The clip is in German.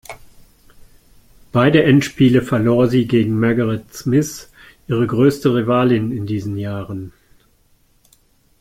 Beide Endspiele verlor sie gegen Margaret Smith, ihre größte Rivalin in diesen Jahren.